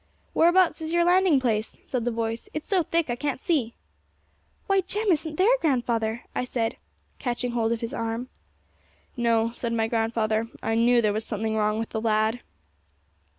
'Whereabouts is your landing place?' said the voice; 'it's so thick, I can't see.' 'Why, Jem isn't there, grandfather!' I said, catching hold of his arm. 'No,' said my grandfather; 'I knew there was something wrong with the lad.'